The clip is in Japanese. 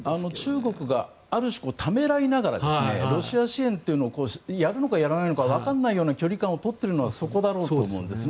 中国がある種ためらいながらロシア支援というのをやるのかやらないのかわからないような距離感を取っているのはそこだろうと思うんですね。